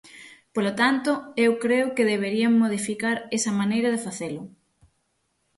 Polo tanto, eu creo que deberían modificar esa maneira de facelo.